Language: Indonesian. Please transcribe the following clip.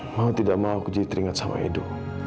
mau tidak mau jadi teringat sama edo